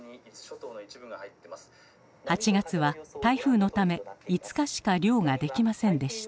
８月は台風のため５日しか漁ができませんでした。